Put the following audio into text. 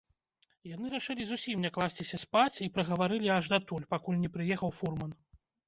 Яны рашылі зусім не класціся спаць і прагаварылі аж датуль, пакуль не прыехаў фурман.